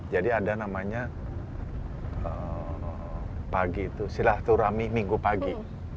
jadi ada namanya pagi itu silaturahmi minggu pagi